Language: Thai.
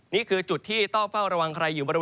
ก็คือบริเวณอำเภอเมืองอุดรธานีนะครับ